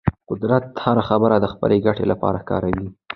قدرت هره خبره د خپلې ګټې لپاره کاروي.